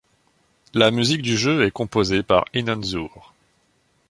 La musique du jeu est composée par Inon Zur.